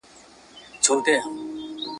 ښار دي جهاني د تورتمونو غېږ ته مخه کړه ,